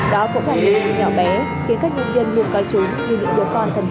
đó cũng là những điều nhỏ bé khiến các nhân viên luôn coi chúng như những đứa con thân thiết trong gia đình